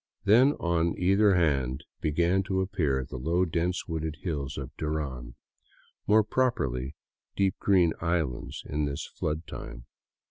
Then on either hand began to appear the low, dense wooded hills of Duran, more properly deep green islands in this flood time.